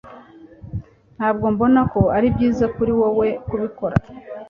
Ntabwo mbona ko ari byiza kuri wowe kubikora.